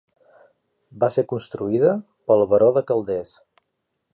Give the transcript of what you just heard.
Va ser construïda pel baró de Calders.